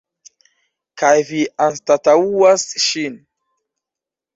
Kaj vi anstataŭas ŝin.